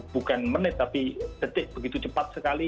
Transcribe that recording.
bukan menit tapi detik begitu cepat sekali